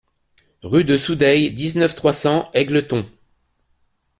Rue de Soudeilles, dix-neuf, trois cents Égletons